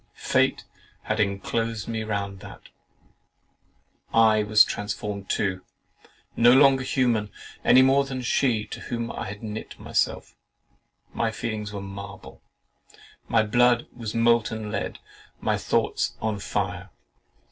Fate had enclosed me round about. I was transformed too, no longer human (any more than she, to whom I had knit myself) my feelings were marble; my blood was of molten lead; my thoughts on fire.